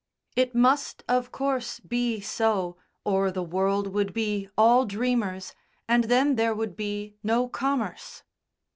It must, of course, be so, or the world would be all dreamers, and then there would be no commerce.